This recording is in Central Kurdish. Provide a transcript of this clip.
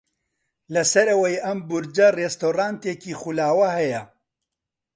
لە سەرەوەی ئەم بورجە ڕێستۆرانتێکی خولاوە هەیە.